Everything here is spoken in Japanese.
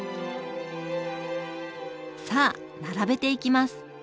さあ並べていきます。